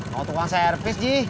mau tukang servis ji